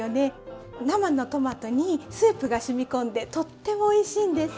生のトマトにスープがしみ込んでとってもおいしいんです。